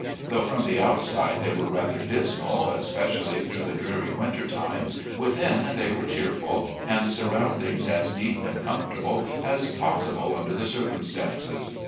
Though from the out side they were rather dismal, especially through the dreary winter time, within they were cheerful, and the sur roundings as neat and comfortable as possible under the circumstances.